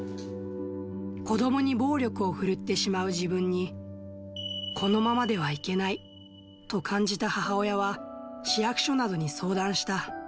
子どもに暴力をふるってしまう自分に、このままではいけないと感じた母親は、市役所などに相談した。